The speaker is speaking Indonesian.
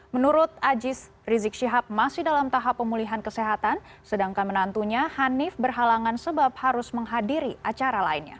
menurut ajis rizik syihab masih dalam tahap pemulihan kesehatan sedangkan menantunya hanif berhalangan sebab harus menghadiri acara lainnya